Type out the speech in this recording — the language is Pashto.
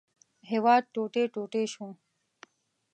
هېواد ټوټې ټوټې شو.